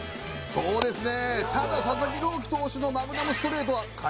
そうですね